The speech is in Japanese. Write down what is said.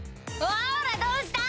ほらどうした？